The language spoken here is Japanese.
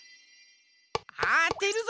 あてるぞ！